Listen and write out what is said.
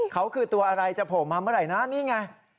เขาคือตัวอะไรจะโผล่มาเมื่อไหร่นะนี่ไง